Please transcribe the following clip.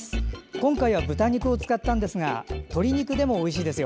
今回は豚肉を使ったんですが鶏肉でもおいしいですよ。